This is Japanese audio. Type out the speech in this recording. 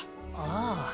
ああ。